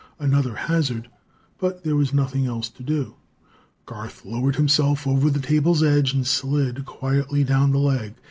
Another hazard! But there was nothing else to do. Garth lowered himself over the table's edge and slid quietly down the leg.